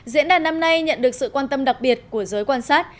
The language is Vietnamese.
diễn đàn năm nay nhận được sự quan tâm đặc biệt của giới quan sát